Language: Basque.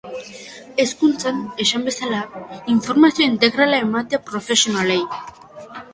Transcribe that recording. Hezkuntzan, esan bezala, formazio integrala ematea profesionalei.